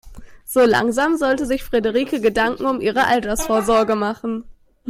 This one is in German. So langsam sollte sich Frederike Gedanken um ihre Altersvorsorge machen.